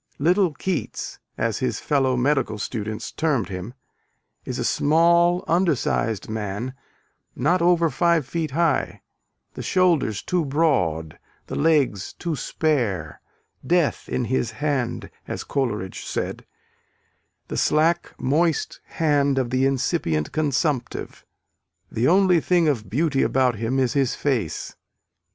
"Little Keats," as his fellow medical students termed him, is a small, undersized man, not over five feet high the shoulders too broad, the legs too spare "death in his hand," as Coleridge said, the slack moist hand of the incipient consumptive. The only "thing of beauty" about him is his face.